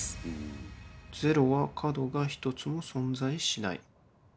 ０は角が一つも存在しない。